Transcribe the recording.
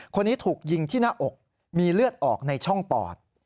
คนนี้ถูกยิงที่หน้าอกมีเลือดออกในช่องปอด